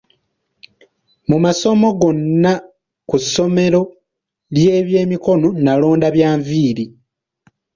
Mu masomo gonna ku ssomero ly'emikono, nalonda bya nviiri.